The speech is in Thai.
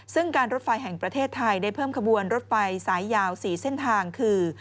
ซึ่งการรถไฟแห่งประเทศไทยได้เพิ่มขบวนรถไฟสายยาว๔เส้นทางคือ